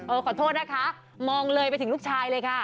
ขอโทษนะคะมองเลยไปถึงลูกชายเลยค่ะ